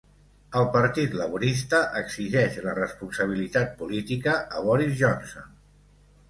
El Partit Laborista exigeix la responsabilitat política a Boris Johnson